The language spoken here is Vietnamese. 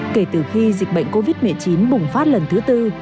kể từ khi dịch bệnh covid một mươi chín bùng phát lần thứ tư